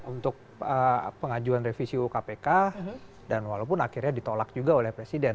untuk pengajuan revisi ukpk dan walaupun akhirnya ditolak juga oleh presiden